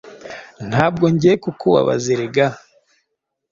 Ntabwo ngiye kukubabaza erega